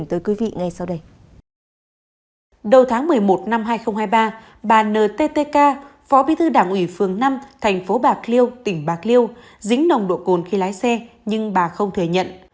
năm hai nghìn hai mươi ba bà nttk phó bí thư đảng ủy phường năm thành phố bạc liêu tỉnh bạc liêu dính nồng độ cồn khi lái xe nhưng bà không thể nhận